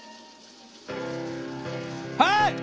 はい！